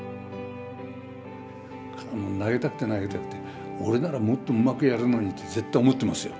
投げたくて投げたくて俺ならもっとうまくやるのにって絶対思ってますよ。